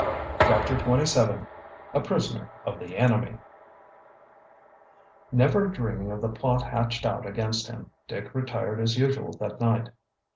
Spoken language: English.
CHAPTER XXVII A PRISONER OF THE ENEMY Never dreaming of the plot hatched out against him, Dick retired as usual that night.